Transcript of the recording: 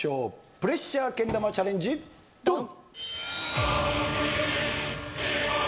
プレッシャーけん玉チャレンジドン！